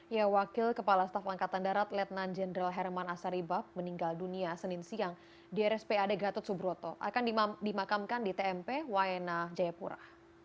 ya wakil kepala staf angkatan darat letnan jenderal herman asaribab meninggal dunia senin siang di rspad gatot subroto akan dimakamkan di tmp wayena jayapura